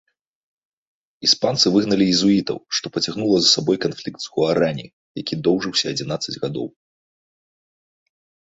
Іспанцы выгналі езуітаў, што пацягнула за сабой канфлікт з гуарані, які доўжыўся адзінаццаць гадоў.